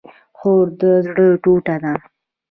خور د زړه ټوټه ده